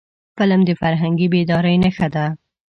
قلم د فرهنګي بیدارۍ نښه ده